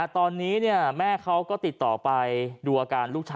ตอนนี้แม่เขาก็ติดต่อไปดู